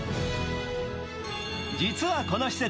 実はこの施設